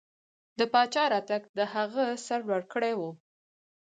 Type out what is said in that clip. د پاچا راتګ د هغه سر لوړ کړی و.